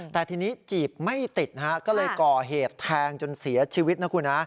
แต่ทีนี้จีบไม่ติดก็เลยก่อเหตุแทงจนเสียชีวิตนะคุณฮะ